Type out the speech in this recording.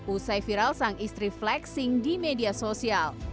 usai viral sang istri flexing di media sosial